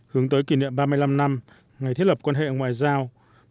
hướng tới kỷ niệm ba mươi năm năm ngày thiết lập quan hệ ngoại giao